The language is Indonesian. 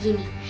eh tau nggak